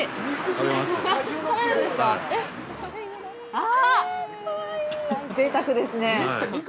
あ、ぜいたくですね。